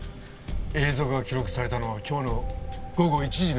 映像が記録されたのは今日の午後１時のようです。